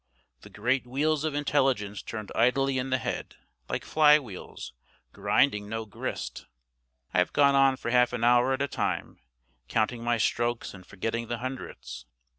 The great wheels of intelligence turned idly in the head, like fly wheels, grinding no grist. I have gone on for half an hour at a time, counting my strokes and forgetting the hundreds.